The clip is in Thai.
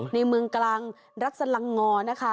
ในเมืองกลางรัสลังงอนะคะ